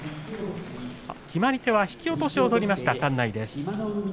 決まり手は引き落としを取りました、館内です。